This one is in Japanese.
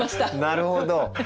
なるほど。